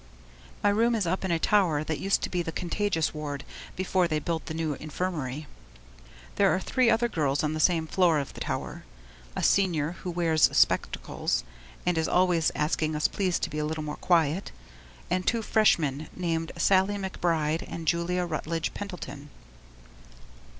My room is up in a tower that used to be the contagious ward before they built the new infirmary. There are three other girls on the same floor of the tower a Senior who wears spectacles and is always asking us please to be a little more quiet, and two Freshmen named Sallie McBride and Julia Rutledge Pendleton.